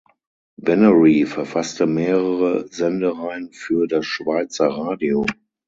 Benary verfasste mehrere Sendereihen für das Schweizer Radio.